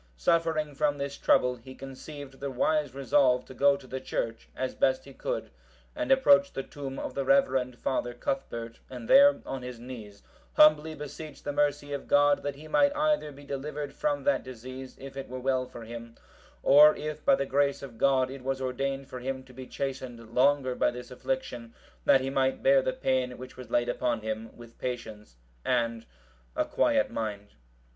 Suffering from this trouble, he conceived the wise resolve to go to the church, as best he could, and approach the tomb of the reverend father Cuthbert, and there, on his knees, humbly beseech the mercy of God that he might either be delivered from that disease, if it were well for him, or if by the grace of God it was ordained for him to be chastened longer by this affliction, that he might bear the pain which was laid upon him with patience and a quiet mind.